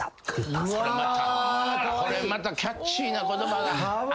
これまたキャッチーな言葉。